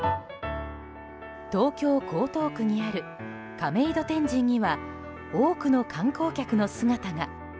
東京・江東区にある亀戸天神には多くの観光客の姿が。